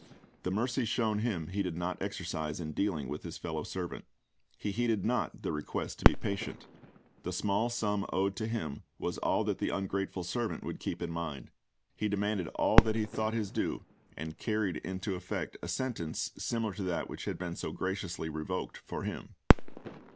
The mercy shown him he did not exercise in dealing with his fellow servant. He heeded not the request to be patient. The small sum owed to him was all that the ungrateful servant would keep in mind. He demanded all that he thought his due, and carried into effect a sentence similar to that which had been so graciously revoked for him.